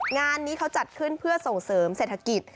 งานนี้เขาจัดขึ้นเพื่อส่งเสริมเศรษฐกิจ